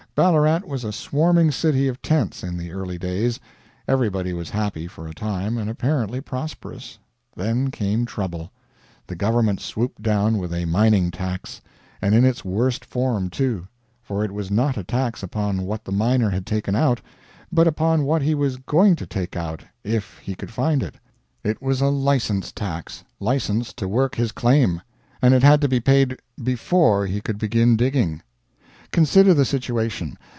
Ballarat was a swarming city of tents in the early days. Everybody was happy, for a time, and apparently prosperous. Then came trouble. The government swooped down with a mining tax. And in its worst form, too; for it was not a tax upon what the miner had taken out, but upon what he was going to take out if he could find it. It was a license tax license to work his claim and it had to be paid before he could begin digging. Consider the situation.